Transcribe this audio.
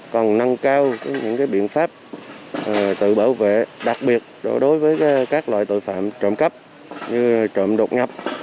còn năng cao những biện pháp tự bảo vệ đặc biệt đối với các loại tội phạm trộm cắp như trộm đột nhập